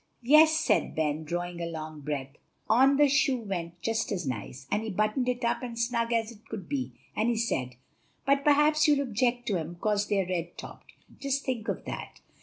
"Yes," said Ben, drawing a long breath, "on the shoe went just as nice, and he buttoned it up as snug as could be; and he said, 'But perhaps you'll object to 'em, 'cause they're red topped.' Just think of that!"